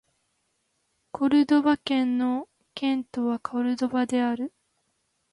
コルドバ県の県都はコルドバである